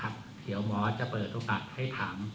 เดี๋ยวหมอจะเปิดโอกาสให้ถาม